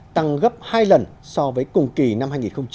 tăng gấp hai lần so với cùng kỳ năm hai nghìn hai mươi ba